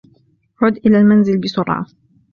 عد إلى المنزل بسرعة.